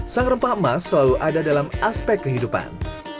sang rempah emas selalu ada dalam aspek kehidupan